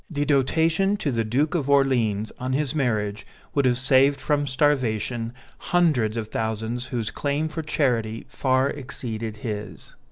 The dotation to the Duke of Orléans, on his marriage, would have saved from starvation hundreds of thousands whose claim for charity far exceeded his.